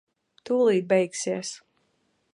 Tūlīt beigsies.